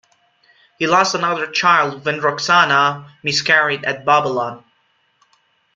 He lost another child when Roxana miscarried at Babylon.